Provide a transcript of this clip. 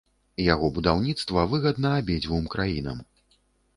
Яго будаўніцтва выгадна абедзвюм краінам.